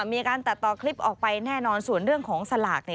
มีการตัดต่อคลิปออกไปแน่นอนส่วนเรื่องของสลาก